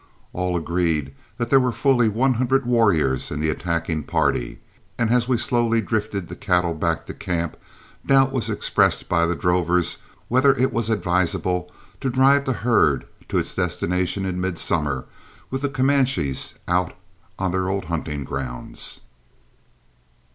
All agreed that there were fully one hundred warriors in the attacking party, and as we slowly drifted the cattle back to camp doubt was expressed by the drovers whether it was advisable to drive the herd to its destination in midsummer with the Comanches out on their old hunting grounds.